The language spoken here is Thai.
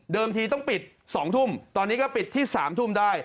ทีต้องปิด๒ทุ่มตอนนี้ก็ปิดที่๓ทุ่มได้